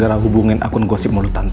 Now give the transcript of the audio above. seharusnya hubungin akun gosip mulut tante